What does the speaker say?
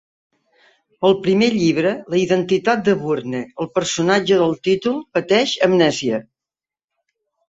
Al primer llibre, La identitat de Bourne, el personatge del títol pateix amnèsia.